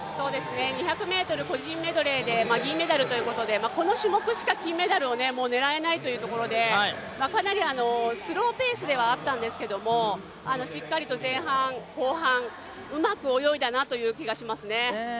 ２００ｍ個人メドレーで銀メダルということでこの種目しか金メダルを狙えないというところでかなり、スローペースではあったんですけどしっかりと前半後半、うまく泳いだなという気がしますね。